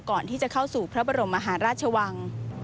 ก่อนที่จะเข้าสู่พระบรมมหาราชวัง